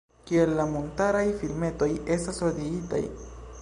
Kiel la montrataj filmetoj estas ordigitaj?